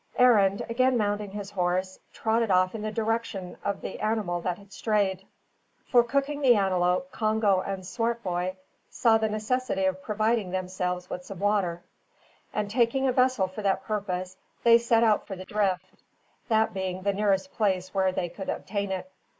Arend, again mounting his horse, trotted off in the direction of the animal that had strayed. For cooking the antelope, Congo and Swartboy saw the necessity of providing themselves with some water; and taking a vessel for that purpose, they set out for the drift, that being the nearest place where they could obtain it.